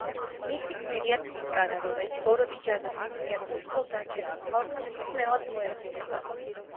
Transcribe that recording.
მისი გმირია ცისკარა, რომელიც ბოროტი ჯადოქრის მიერ უწყლოდ დარჩენილ ხალხს მხსნელად მოევლინება.